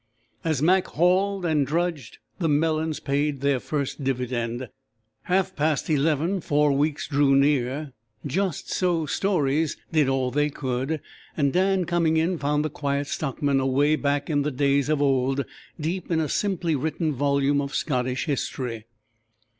As Mac hauled and drudged, the melons paid their first dividend; half past eleven four weeks drew near; "Just So Stories" did all they could, and Dan coming in found the Quiet Stockman away back in the days of old, deep in a simply written volume of Scottish history.